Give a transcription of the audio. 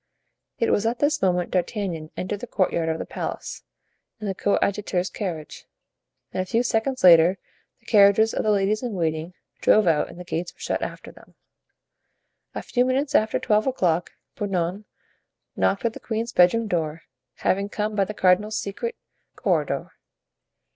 It was at this moment D'Artagnan entered the courtyard of the palace, in the coadjutor's carriage, and a few seconds later the carriages of the ladies in waiting drove out and the gates were shut after them. A few minutes after twelve o'clock Bernouin knocked at the queen's bedroom door, having come by the cardinal's secret corridor.